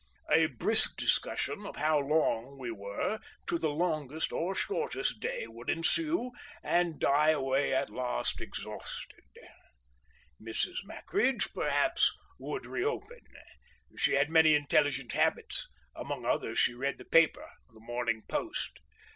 A brisk discussion of how long we were to the longest or shortest day would ensue, and die away at last exhausted. Mrs. Mackridge, perhaps, would reopen. She had many intelligent habits; among others she read the paper—The Morning Post.